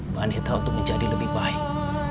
mbak neta untuk menjadi lebih baik